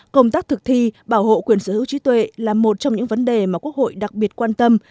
công tác thực thi bảo hộ quyền sở hữu trí tuệ là một trong những vấn đề mà quốc hội đặc biệt quan tâm